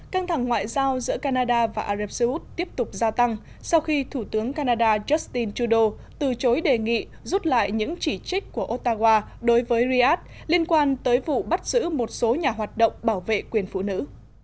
căng thẳng ngoại giao giữa canada và ả rập xê út tiếp tục gia tăng sau khi thủ tướng canada justin trudeau từ chối đề nghị rút lại những chỉ trích của otawa đối với riyadh liên quan tới vụ bắt giữ một số nhà hoạt động bảo vệ quyền phụ nữ